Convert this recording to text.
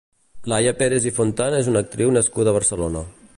Laia Pérez i Fontan és una actriu nascuda a Barcelona.